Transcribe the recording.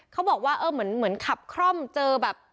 เขาบอกว่าเออเหมือนขับคร่อมเจอแบบ